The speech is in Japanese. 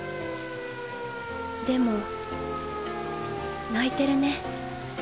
でも泣いてるね。